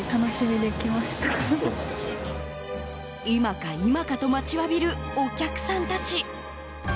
今か今かと待ちわびるお客さんたち。